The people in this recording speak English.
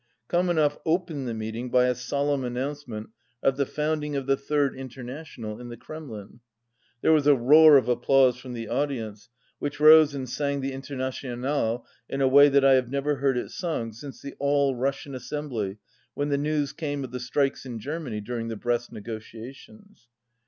Kamenev opened the meeting by a solemn announcement of 220 the founding of the Third International in the Kremlin. There was a roar of applause from the audience, which rose and sang the "International" in a way that I have never heard it sung since the All Russian Assembly when the news came of the strikes in Germany during the Brest negotiations.